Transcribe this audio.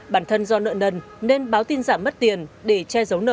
bản thân do nợ nần nên báo tin giảm mất tiền để che giấu nợ